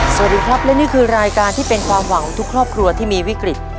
สวัสดีครับและนี่คือรายการที่เป็นความหวังของทุกครอบครัวที่มีวิกฤต